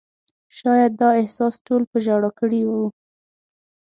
شاید دا احساس ټول په ژړا کړي وو.